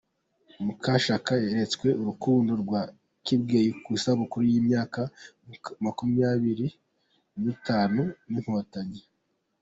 Mukashyaka yeretswe urukundo rwa kibyeyi ku isabukuru y’imyaka makumyabiri nitanu n’Inkotanyi